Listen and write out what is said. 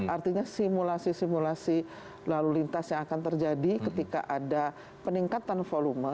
artinya simulasi simulasi lalu lintas yang akan terjadi ketika ada peningkatan volume